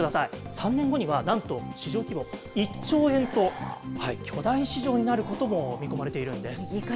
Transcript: ３年後には、なんと市場規模、１兆円と巨大市場になることも見込まれているんです。